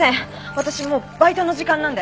私もうバイトの時間なんで。